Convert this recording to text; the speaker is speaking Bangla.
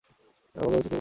আমারও চোখে পড়েনি।